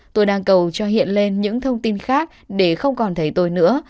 tôi đang cầu cho hiện lên những thông tin khác để không còn thấy tôi nữa